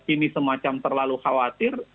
ini semacam terlalu khawatir